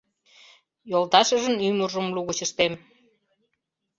Йолташыжын ӱмыржым лугыч ыштем: